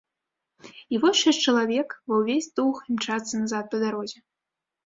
І вось шэсць чалавек ва ўвесь дух імчацца назад па дарозе.